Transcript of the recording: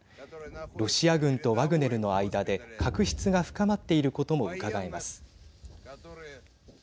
ロシア軍とワグネルの間で確執が深まっていることもうかがえます。